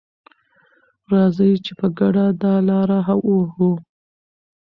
راځئ چې په ګډه دا لاره ووهو.